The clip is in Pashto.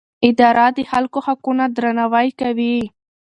اداره د خلکو حقونه درناوی کوي.